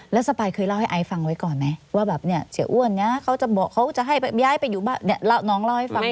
แล้วสปายเคยเล่าให้ไอซ์ฟังไว้ก่อนไหมว่าแบบเนี่ยเสียอ้วนนะเขาจะบอกเขาจะให้ย้ายไปอยู่บ้านเนี่ยน้องเล่าให้ฟัง